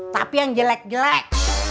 tapi yang jelek jelek